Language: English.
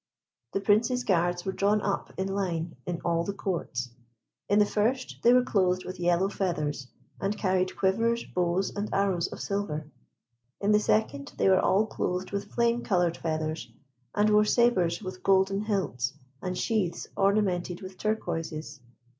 The Prince's guards were drawn up in line in all the courts. In the first, they were clothed with yellow feathers, and carried quivers, bows and arrows of silver. In the second, they were all clothed with flame coloured feathers, and wore sabres with golden hilts, and sheaths ornamented with turquoises.